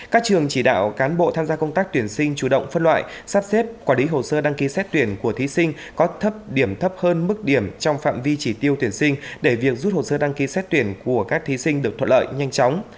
các trường chỉ đạo cán bộ tham gia công tác tuyển sinh chủ động phân loại sắp xếp quản lý hồ sơ đăng ký xét tuyển của thí sinh có thấp điểm thấp hơn mức điểm trong phạm vi chỉ tiêu tuyển sinh để việc rút hồ sơ đăng ký xét tuyển của các thí sinh được thuận lợi nhanh chóng